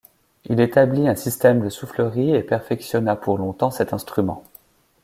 Il établit un système de soufflerie et perfectionna pour longtemps cet instrument.